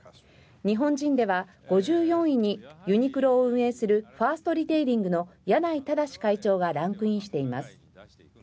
日本人では５４位にユニクロを運営するファーストリテイリングの柳井正会長がランクインしています。